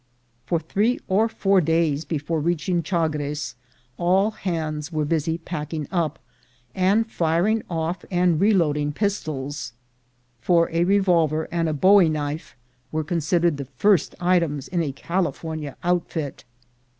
For three or four days before reaching Chagres, all hands were busy packing up, and firing off and re loading pistols; for a revolver and a bowie knife were considered the first items in a California outfit.